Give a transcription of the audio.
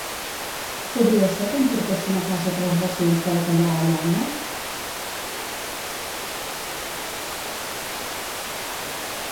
Podria ser que em portessin a casa tres racions de bacallà a la llauna?